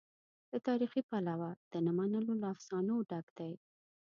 له تاریخي پلوه د نه منلو له افسانو ډک دی.